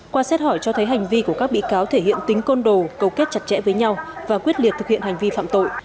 qua xét hỏi cho thấy hành vi của các bị cáo thể hiện tính côn đồ cầu kết chặt chẽ với nhau và quyết liệt thực hiện hành vi phạm tội